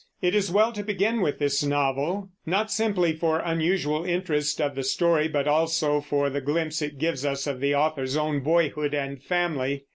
It is well to begin with this novel, not simply for the unusual interest of the story, but also for the glimpse it gives us of the author's own boyhood and family.